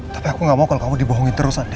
tapi aku gak mau kalau kamu dibohongin terus andien